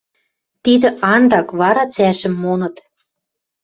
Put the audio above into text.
Тидӹ андак, вара цӓшӹм моныт